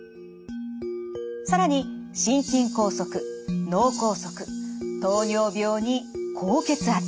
更に心筋梗塞脳梗塞糖尿病に高血圧。